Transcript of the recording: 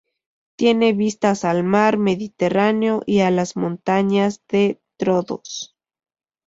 Tiene vistas al mar Mediterráneo y a las montañas de Troodos.